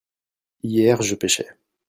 hier je pêchais.